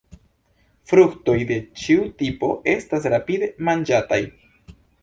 Fruktoj de ĉiu tipo estas rapide manĝataj.